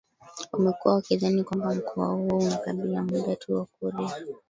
wamekuwa wakidhani kwamba mkoa huo una kabila moja tu Wakurya